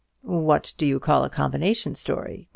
"What do you call a combination story?"